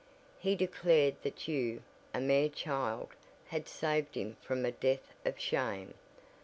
He declared that you, a mere child, had saved him from a death of shame.